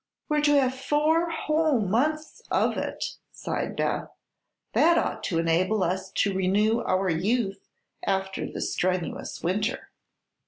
"We're to have four whole months of it," sighed Beth. "That ought to enable us to renew our youth, after the strenuous winter."